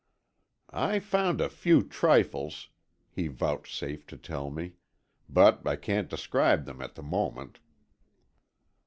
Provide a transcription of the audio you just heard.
"I found a few trifles," he vouchsafed to tell me, "but I can't describe them at the moment."